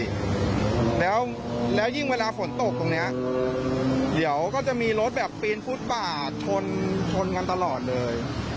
แล้วแล้วยิ่งเวลาฝนตกตรงเนี้ยเดี๋ยวก็จะมีรถแบบปีนฟุตป่าชนชนกันตลอดเลย